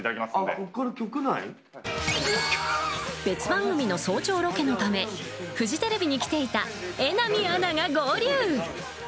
別番組の早朝ロケのためフジテレビに来ていた榎並アナが合流。